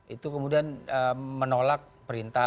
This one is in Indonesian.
itu kemudian menolak perintah